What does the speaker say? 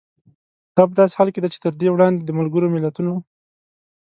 دا په داسې حال کې ده چې تر دې وړاندې د ملګرو ملتونو